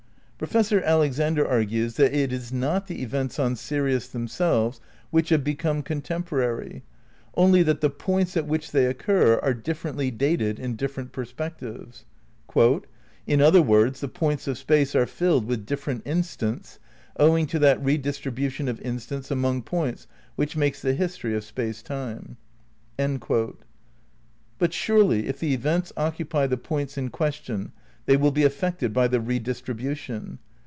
Professor Alexander argues that it is not the events in Sirius themselves which have become contemporary, only that the points at which they occur are differently dated in different perspectives. "In other words, the points of Space are filled with different instants owing to that re distrihution of instants among points which makes the history of Space Time." (Space, Time and Deity : p. 78.) But surely, if the events occupy the points in question they will be affected by the redistribution.